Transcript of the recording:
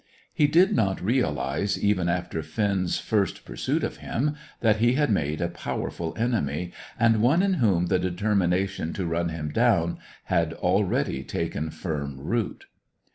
He did not realize, even after Finn's first pursuit of him, that he had made a powerful enemy, and one in whom the determination to run him down had already taken firm root.